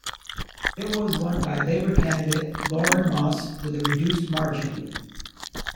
It was won by Labor candidate Lauren Moss with a reduced margin.